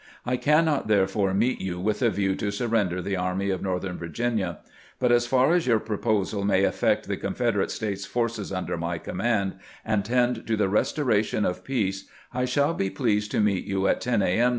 I cannot, therefore, meet you with a view to surrender the Army of Northern Virginia ; but as far as your proposal may effect the Confederate States forces under my command, and tend to the restoration of peace, I shall be pleased to meet you at 10 A. M.